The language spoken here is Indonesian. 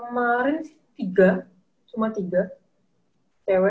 kemarin sih tiga cuma tiga cewek